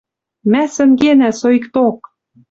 Мӓ сӹнгенӓ соикток!